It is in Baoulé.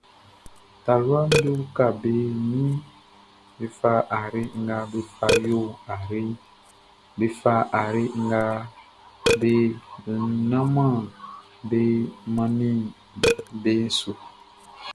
Taluaʼm be uka be ninʼm be fa ayre nga be fa yo ayreʼn, be fa ayre nga be nannanʼm be mannin beʼn su.